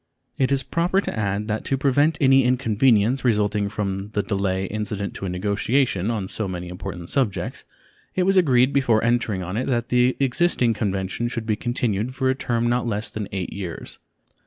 It is proper to add that to prevent any inconvenience resulting from the delay incident to a negotiation on so many important subjects it was agreed before entering on it that the existing convention should be continued for a term not less than eight years.